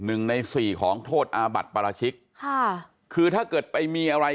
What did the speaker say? หนึ่งในสี่ของโทษอาบัติปราชิกค่ะคือถ้าเกิดไปมีอะไร